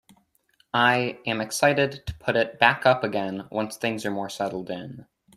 I am excited to put it back up again once things are more settled in.